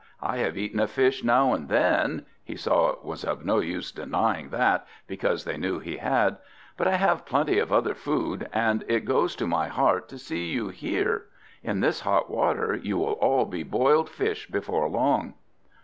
I have eaten a fish now and then" he saw it was of no use denying that, because they knew he had "but I have plenty of other food, and it goes to my heart to see you here. In this hot water you will all be boiled fish before long!"